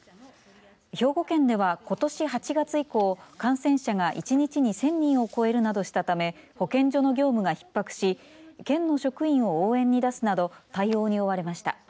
兵庫県では、ことし８月以降感染者が１日に１０００人を超えるなどしたため保健所の業務がひっ迫し県の職員を応援に出すなど対応に追われました。